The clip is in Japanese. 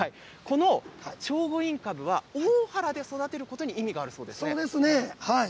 この聖護院かぶは大原で育てることに意味があるんですね。